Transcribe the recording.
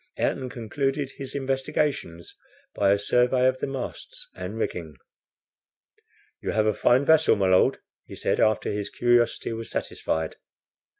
Ayrton concluded his investigations by a survey of the masts and rigging. "You have a fine vessel, my Lord," he said after his curiosity was satisfied.